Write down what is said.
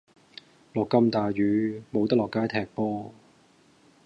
落咁大雨，無得落街踢波。